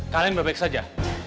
kalian berbaik saja